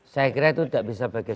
saya kira itu tidak bisa bagi